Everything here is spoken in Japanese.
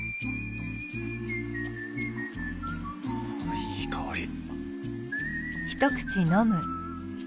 あいい香り。